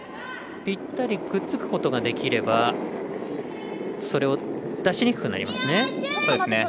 ぴったりくっつくことができればそれを出しにくくなりますね。